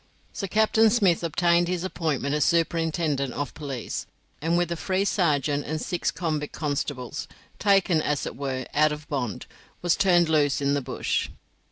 So Captain Smith obtained his appointment as superintendent of police, and with a free sergeant and six convict constables, taken, as it were, out of bond, was turned loose in the bush.